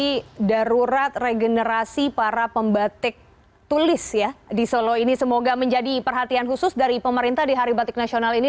jadi darurat regenerasi para pembatik tulis di solo ini semoga menjadi perhatian khusus dari pemerintah di hari batik nasional ini